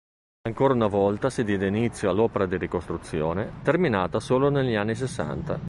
Ancora una volta si diede inizio all'opera di ricostruzione, terminata solo negli anni sessanta.